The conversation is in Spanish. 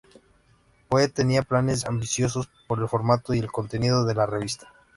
Poe tenía planes ambiciosos para el formato y el contenido de la revista.